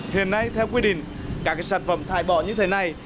hiện nay theo quy định các sản phẩm thải bỏ như thế này